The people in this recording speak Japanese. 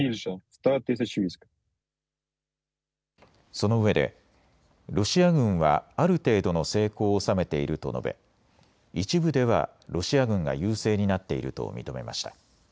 そのうえでロシア軍はある程度の成功を収めていると述べ一部ではロシア軍が優勢になっていると認めました。